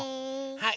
はい。